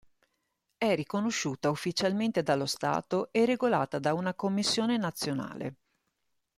È riconosciuta ufficialmente dallo stato e regolata da una commissione nazionale.